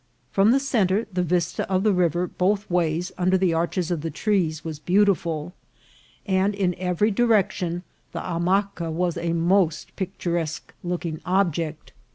From the centre the vista of the river both ways under the arches of the trees was beautiful, and in every direction the hammaca was a most pic turesque looking object.